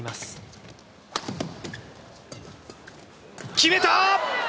決めた！